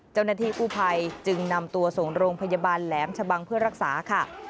เจ้าหน้าที่กู้ภัยจึงนำตัวส่งโรงพยาบาลแหลมชะบังเพื่อรักษาค่ะ